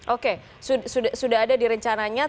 oke sudah ada di rencananya